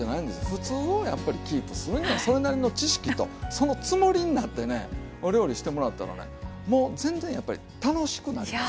ふつうをやっぱりキープするにはそれなりの知識とそのつもりになってねお料理してもらったらねもう全然やっぱり楽しくなります。